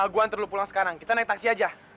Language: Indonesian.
gue antar lu pulang sekarang kita naik taksi aja